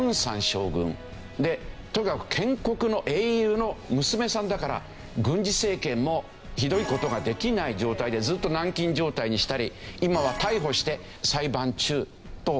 でとにかく建国の英雄の娘さんだから軍事政権もひどい事ができない状態でずっと軟禁状態にしたり今は逮捕して裁判中というわけですよね。